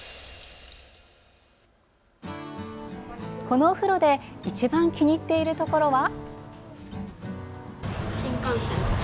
このお風呂で一番気に入っているところは？